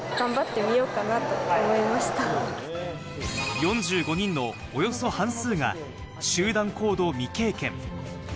４５人のおよそ半数が集団行動未経験。